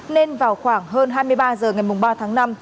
nên vào khoảng hơn hai mươi ba h ngày ba tháng năm